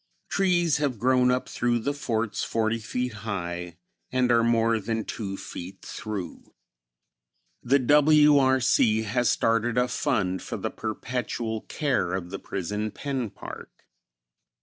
Trees have grown up through the forts forty feet high and are more than two feet through. The W. R. C. has started a fund for the perpetual care of the Prison Pen Park.